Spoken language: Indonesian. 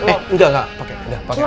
eh engga engga